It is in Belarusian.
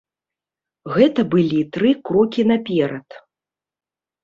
Гэта былі тры крокі наперад.